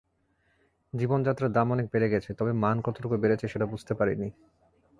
জীবনযাত্রার দাম অনেক বেড়ে গেছে, তবে মান কতটুকু বেড়েছে সেটা বুঝতে পারিনি।